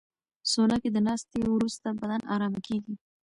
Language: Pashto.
سونا کې د ناستې وروسته بدن ارامه کېږي.